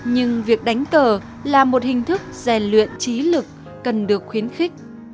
nhưng việc đánh cờ là một hình thức rèn luyện trí lực cần được khuyến khích